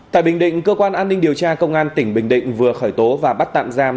tại bình định cơ quan an ninh điều tra công an tp hcm vừa khởi tố và bắt tạm giam